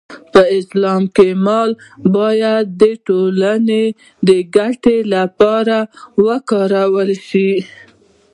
په اسلام کې مال باید د ټولنې د ګټې لپاره وکارول شي.